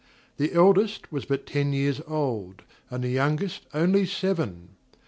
The eldest was but ten years old, and the youngest only seven.